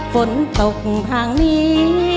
ฝนตกทางนี้